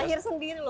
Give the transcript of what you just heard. lahir sendiri loh